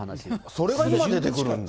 それが今出てくるんだ。